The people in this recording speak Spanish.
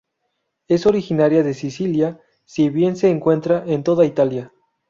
Es originaria de Sicilia, si bien se encuentra en toda Italia.